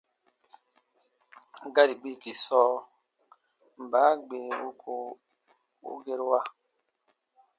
Gari gbiiki sɔɔ: mba gbee wuko u gerua?